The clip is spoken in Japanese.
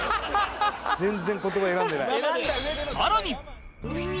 全然言葉選んでない。